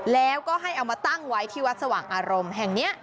แล้วก็ให้เอามาตั้งไว้ที่วัดสว่างอารมณ์แห่งนี้